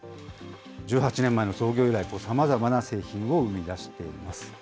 １８年前の創業以来、さまざまな製品を生み出しています。